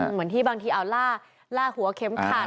เหมือนที่บางทีเอาล่าหัวเข็มขัด